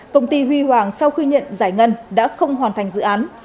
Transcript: công ty huy hoàng sau khuyên nhận giải ngân đã không hoàn thành dự án